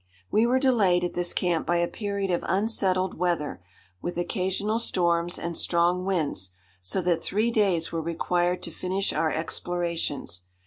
We were delayed at this camp by a period of unsettled weather with occasional storms and strong winds, so that three days were required to finish our explorations.